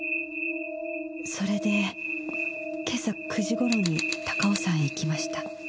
それで今朝９時頃に高尾山へ行きました。